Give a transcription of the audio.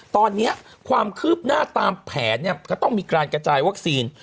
ตอนนี้ความคืบหน้าตามแผนก็ต้องมีการกระจายวัคซีน